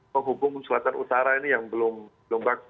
penghubung selatan utara ini yang belum lombak